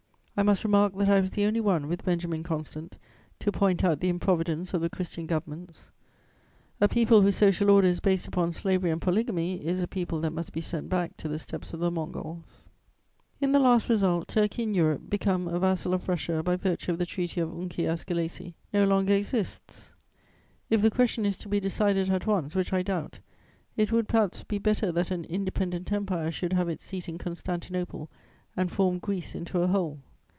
I must remark that I was the only one, with Benjamin Constant, to point out the improvidence of the Christian governments: a people whose social order is based upon slavery and polygamy is a people that must be sent back to the steppes of the Mongols. In the last result, Turkey in Europe, become a vassal of Russia by virtue of the treaty of Unkiar Skelessi, no longer exists: if the question is to be decided at once, which I doubt, it would perhaps be better that an independent empire should have its seat in Constantinople and form Greece into a whole.